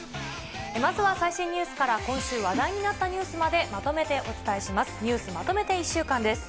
まずは最新ニュースから、今週話題になったニュースまで、ニュースまとめて１週間です。